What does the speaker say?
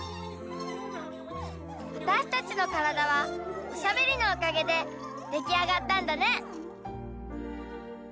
わたしたちのカラダはおしゃべりのおかげでできあがったんだね！